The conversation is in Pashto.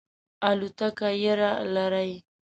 الوتکه یره لرئ؟